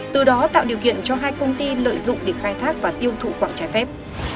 từ đó tạo điều kiện cho hai công ty lợi dụng để khai thác và tiêu thụ quảng trái phép